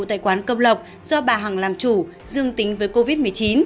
tại quán công lộc do bà hằng làm chủ dương tính với covid một mươi chín